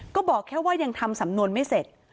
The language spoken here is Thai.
ก็บอกแค่ว่ายังทำสำนวนไม่เสร็จ